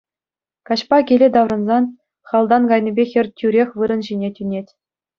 Каҫпа киле таврӑнсан халтан кайнипе хӗр тӳрех вырӑн ҫине тӳнет.